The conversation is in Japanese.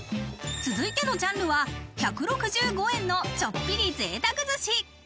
続いてのジャンルは１６５円のちょっぴり贅沢寿司。